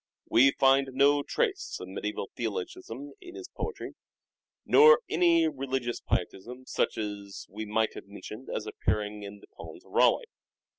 We find no trace of medieval theologism in his poetry, nor any religious pietism such as that we have mentioned as appearing in the poems of Raleigh.